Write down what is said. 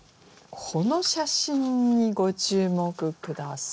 この写真にご注目下さい。